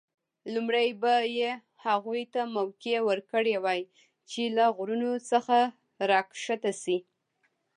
لومړی به یې هغوی ته موقع ورکړې وای چې له غرونو څخه راښکته شي.